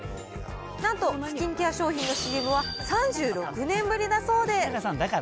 なんとスキンケア商品のＣＭは、３６年ぶりだそうで。